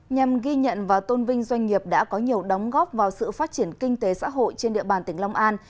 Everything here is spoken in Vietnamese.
nhằm ghi nhận và tôn vinh doanh nghiệp đã có nhiều đóng góp vào sự phát triển kinh tế xã hội trên địa bàn tỉnh long an